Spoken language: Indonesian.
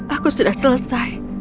aku sudah selesai